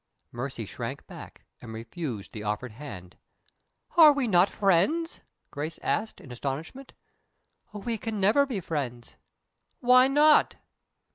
Mercy shrank back, and refused the offered hand. "Are we not friends?" Grace asked, in astonishment. "We can never be friends." "Why not?"